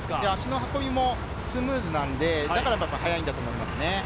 足の運びもスムーズなので、だから速いんだと思いますね。